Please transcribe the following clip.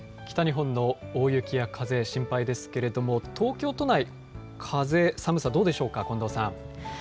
北日本の大雪や風、心配ですけれども、東京都内、風、寒さどうでしょうか、近藤さん。